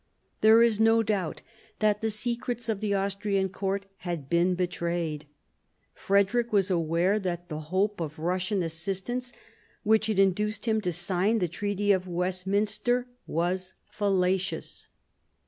There is no doubt that the secrets of the Austrian court had been betrayed. Frederick was aware that the hope of Russian assistance which had induced him to sign the Treaty of Westminster was fallacious.